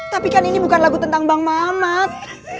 tapi kan ini bukan lagu tentang bang mamat